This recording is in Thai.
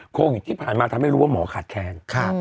โควิดที่ผ่านมาทำให้รู้ว่าหมอขาดแคลน